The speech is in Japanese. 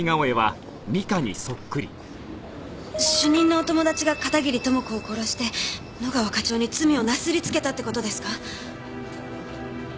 主任のお友達が片桐朋子を殺して野川課長に罪をなすりつけたって事ですか？